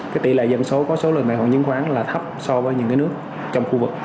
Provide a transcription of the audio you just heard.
cái tỷ lệ dân số có số lượng tài khoản nhân khoán là thấp so với những cái nước trong khu vực